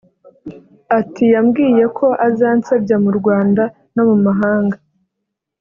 Ati “Yambwiye ko azansebya mu Rwanda no mu mahanga